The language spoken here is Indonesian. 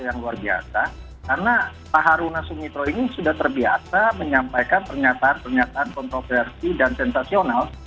karena pak haruna sumitro ini sudah terbiasa menyampaikan pernyataan pernyataan kontroversi dan sensasional